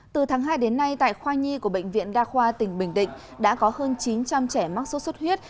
từ tháng hai đến nay tại khoa nhi của bệnh viện đa khoa tỉnh bình định đã có hơn chín trăm linh trẻ mắc sốt xuất huyết